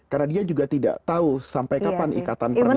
karena dia juga tidak tahu sampai kapan ikatan pernikahan